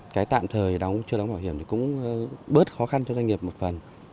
cái tạm thời đóng chưa đóng bảo hiểm thì cũng bớt khó khăn cho doanh nghiệp một phần